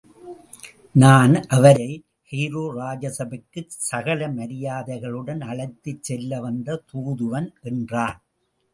நான் அவரை, கெய்ரோ ராஜசபைக்குச் சகல மரியாதைகளுடன் அழைத்துச் செல்ல வந்த தூதுவன். என்றான்.